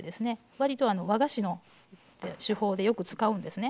割と和菓子の手法でよく使うんですね。